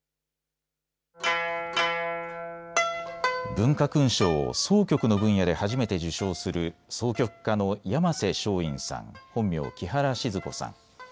文化勲章を箏曲の分野で初めて受章する箏曲家の山勢松韻さん、本名・木原司都子さん。